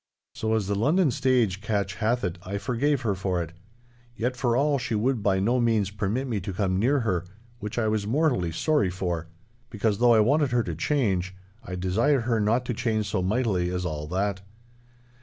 So, as the London stage catch hath it, I forgave her for it. Yet for all she would by no means permit me to come near her—which I was mortally sorry for. Because though I wanted her to change, I desired her not to change so mightily as all that.